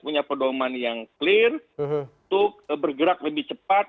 punya pedoman yang clear untuk bergerak lebih cepat